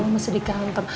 oh masih di kantor